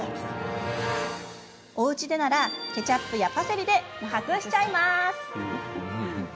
おうちでならケチャップやパセリで隠しちゃいます。